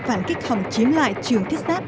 phản kích hòng chiếm lại trường thiết sáp